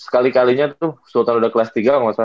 kali kalinya tuh sultan udah kelas tiga ya kelas tiga